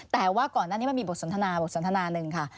แต่ว่าก่อนหน้านี้มันมีบทสนทนาบทสนทนาหนึ่งค่ะ